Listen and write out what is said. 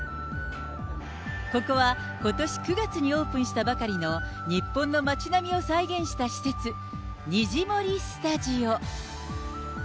ここはことし９月にオープンしたばかりの、日本の街並みを再現した施設、にじもりスタジオ。